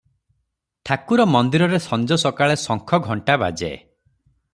ଠାକୁର ମନ୍ଦିରରେ ସଞ୍ଜ ସକାଳେ ଶଙ୍ଖ, ଘଣ୍ଟାବାଜେ ।